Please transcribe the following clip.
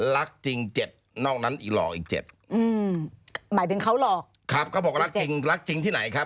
รักจริง๗นอกนั้นหลอกอีก๗